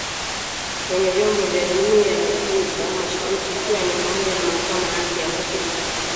kwenye vyombo vya jumuia ya Afrika mashariki ikiwa ni pamoja na Mahakama ya Haki ya Afrika